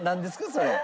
それ。